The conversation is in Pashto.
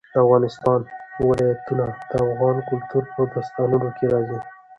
د افغانستان ولايتونه د افغان کلتور په داستانونو کې راځي.